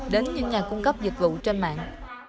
đến những nhà cung cấp dịch vụ trên mạng